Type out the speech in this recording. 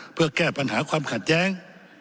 เพื่อแก้ปัญหาความขัดแย้ง